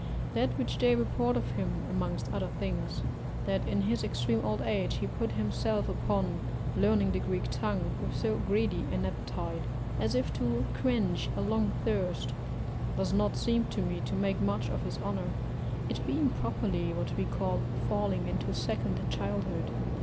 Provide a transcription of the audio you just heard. That which they, report of him, amongst other things, that in his extreme old age he put himself upon learning the Greek tongue with so greedy an appetite, as if to quench a long thirst, does not seem to me to make much for his honour; it being properly what we call falling into second childhood.